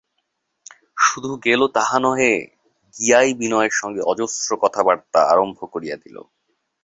শুধু গেল তাহা নহে, গিয়াই বিনয়ের সঙ্গে অজস্র কথাবার্তা আরম্ভ করিয়া দিল।